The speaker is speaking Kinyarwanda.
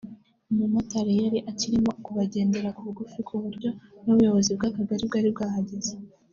umumotari yari akirimo kubagendera bugufi ku buryo n’ubuyobozi bw’akagari bwari bwahageze